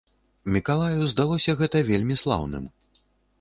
Мікалаю здалося гэта вельмі слаўным.